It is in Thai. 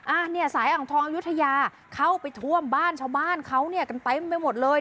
อ่ะเนี่ยสายอ่างทองอายุทยาเข้าไปท่วมบ้านชาวบ้านเขาเนี่ยกันเต็มไปหมดเลย